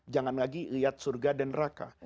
jangan lagi lihat surga dan neraka